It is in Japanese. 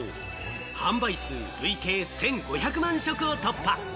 販売数累計１５００万食を突破。